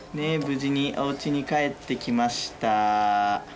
無事におうちに帰ってきました。